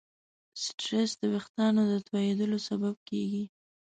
سټرېس د وېښتیانو د تویېدلو سبب کېږي.